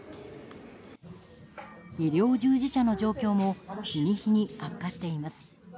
医療従事者の状況も日に日に悪化しています。